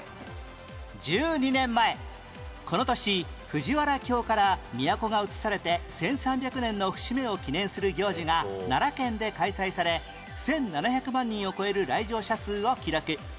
１２年前この年藤原京から都が遷されて１３００年の節目を記念する行事が奈良県で開催され１７００万人を超える来場者数を記録